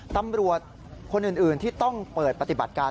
ตำรวจคนอื่นที่ต้องเปิดปฏิบัติการ